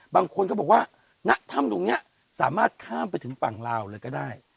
บางคนก็บอกว่าณถ้ำตรงนี้สามารถข้ามไปถึงฝั่งลาวเลยก็ได้